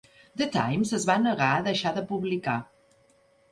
The Times es va negar a deixar de publicar.